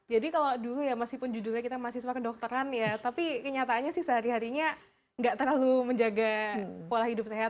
jadi kalau dulu ya meskipun judulnya kita mahasiswa kedokteran ya tapi kenyataannya sih sehari harinya nggak terlalu menjaga pola hidup sehat